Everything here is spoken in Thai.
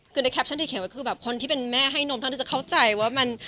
คือในแคปชั่นที่เขียนว่าคนที่เป็นแม่ให้นมท่านจะเข้าใจว่า